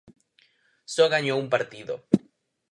Só gañou un partido.